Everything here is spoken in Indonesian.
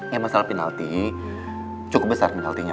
yang masalah penalti cukup besar penaltinya